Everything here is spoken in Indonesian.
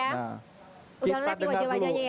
sudah lelep di wajah wajahnya ya